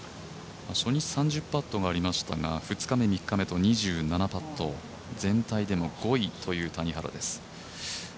初日３０パットがありましたが２日目、３日目と２７パット全体でも５位という谷原です。